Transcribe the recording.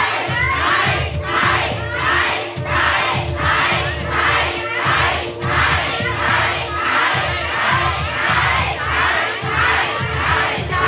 ใช่